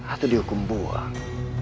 atau dihukum buang